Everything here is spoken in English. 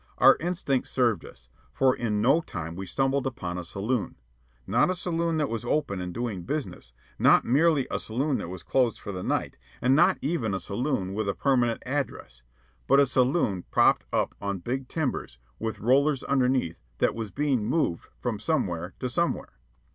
Our instinct served us, for in no time we stumbled upon a saloon not a saloon that was open and doing business, not merely a saloon that was closed for the night, and not even a saloon with a permanent address, but a saloon propped up on big timbers, with rollers underneath, that was being moved from somewhere to somewhere.